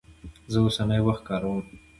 زه اوسنی وخت کاروم.